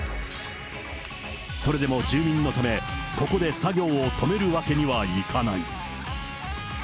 それでも住民のため、ここで作業を止めるわけにはいかない。